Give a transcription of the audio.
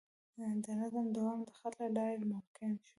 د نظم دوام د خط له لارې ممکن شو.